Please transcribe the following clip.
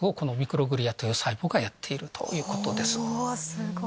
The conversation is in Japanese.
すごい！